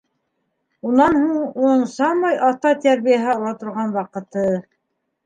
Унан һуң уның самай атай тәрбиәһе ала торған ваҡыты.